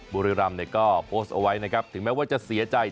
กริรำนี่ก็โพสไว้นะครับถึงแม้ว่าจะเสียใจ